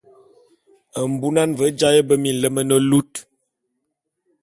Mbunan ve jaé be minlem ne lut.